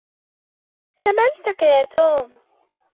لم أنسك يا توم.